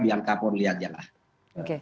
biar kapolri aja lah oke